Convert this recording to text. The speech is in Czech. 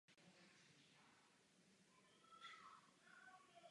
Toto extrémní vidění vedlo k obsazení Münsteru.